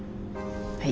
はい。